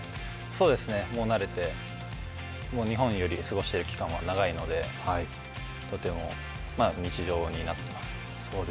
そうですね、もう慣れて日本より過ごしている期間は長いのでとても日常になっています。